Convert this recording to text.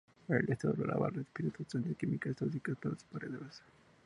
En estado larval despide sustancias químicas tóxicas para sus predadores.